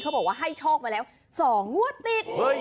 บอกว่าให้โชคมาแล้ว๒งวดติด